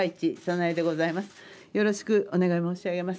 よろしくお願いします。